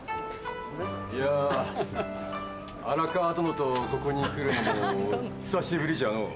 いやぁ荒川殿とここに来るのも久しぶりじゃのう。